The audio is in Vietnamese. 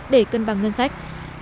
để cân bằng ngân sách